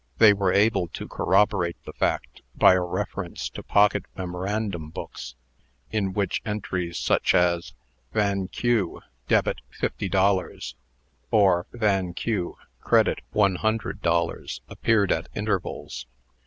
They were able to corroborate the fact, by a reference to pocket memorandum books, in which entries such as "Van Q., debit $50," or "Van Q., credit $100," appeared at intervals.